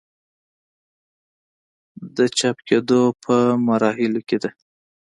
د چاپ کيدو پۀ مراحلو کښې ده